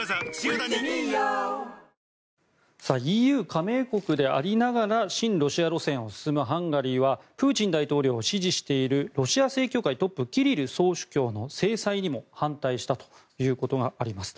ＥＵ加盟国でありながら親ロシア路線を進むハンガリーはプーチン大統領を支持しているロシア正教会トップキリル総主教の制裁にも反対したということがあります。